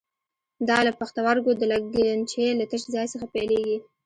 دا له پښتورګو د لګنچې له تش ځای څخه پیلېږي.